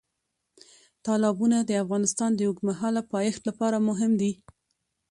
تالابونه د افغانستان د اوږدمهاله پایښت لپاره مهم دي.